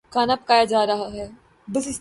کھانا پکایا جا رہا ہے